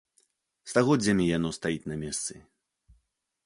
Стагоддзямі яно стаіць на месцы.